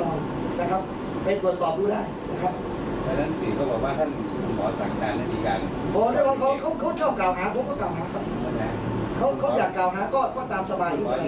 หมอที่ฉันไม่ได้ทำกันเก่งนะครับ